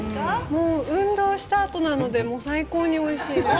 運動したあとなので最高においしいです。